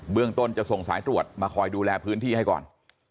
เรื่องต้นจะส่งสายตรวจมาคอยดูแลพื้นที่ให้ก่อน